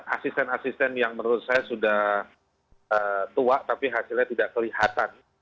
asisten asisten yang menurut saya sudah tua tapi hasilnya tidak kelihatan